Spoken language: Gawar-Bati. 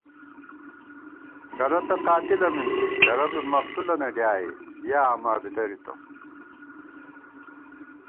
کرہ تہ قاتِلہ مِنزی کرہ بی مقتُولَنہ ڈیائے یَہ آما بی دَرِتہ